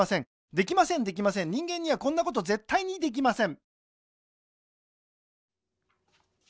できませんできません人間にはこんなことぜったいにできません